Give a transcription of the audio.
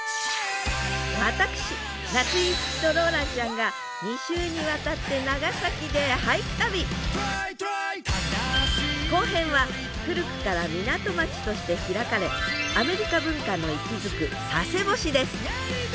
私夏井いつきとローランちゃんが２週にわたって後編は古くから港町として開かれアメリカ文化の息づく佐世保市です